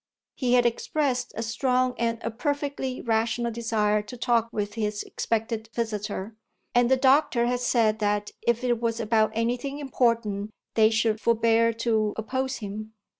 He had expressed a strong and a perfectly rational desire to talk with his expected visitor, and the doctor had said that if it was about anything important they should forbear to oppose him.